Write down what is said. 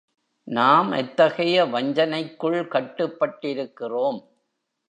நாம் எத்தகைய வஞ்சனைக்குள் கட்டுப்பட்டிருக்கிறோம்?